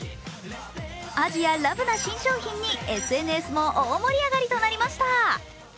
アジアラブな新商品にＳＮＳも大盛り上がりとなりました。